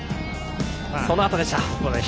そのあとでした。